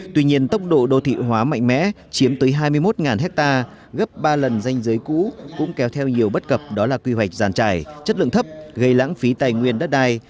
tuy nhiên tốc độ đô thị hóa mạnh mẽ chiếm tới hai mươi một ha gấp ba lần danh giới cũ cũng kéo theo nhiều bất cập đó là quy hoạch giàn trải chất lượng thấp gây lãng phí tài nguyên đất đai